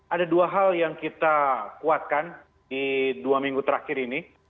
ada dua hal yang kita kuatkan di dua minggu terakhir ini